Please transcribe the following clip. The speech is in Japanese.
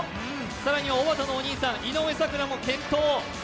更にはおばたのお兄さん、井上咲楽も健闘。